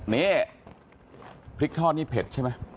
นี่พริกทอดนี่เผ็ดใช่ไหม